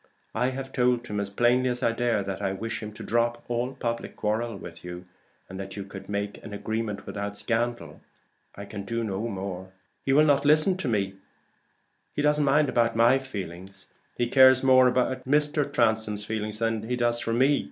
I have told him as plainly as I dare that I wish him to drop all public quarrel with you, and that you could make an arrangement without scandal. I can do no more. He will not listen to me; he doesn't mind about my feelings. He cares more for Mr. Transome than he does for me.